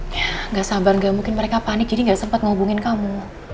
ya nggak sabar nggak mungkin mereka panik jadi nggak sempet ngehubungin kamu